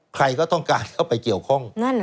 ใครก็ต้องการเข้าไปเกี่ยวข้อง